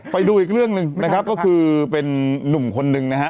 ไปดูอีกเรื่องหนึ่งนะครับก็คือเป็นนุ่มคนหนึ่งนะฮะ